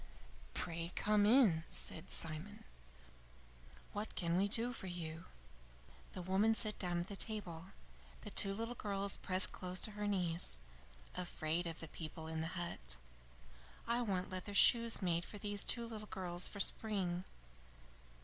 "Pray come in," said Simon. "What can we do for you?" The woman sat down by the table. The two little girls pressed close to her knees, afraid of the people in the hut. "I want leather shoes made for these two little girls for spring."